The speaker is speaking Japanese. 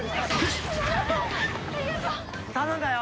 頼んだよ！